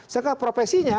saya kena profesinya